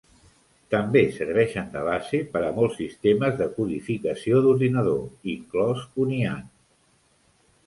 També serveixen de base per a molts sistemes de codificació d'ordinador, inclòs Unihan.